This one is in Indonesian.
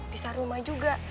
pisah rumah juga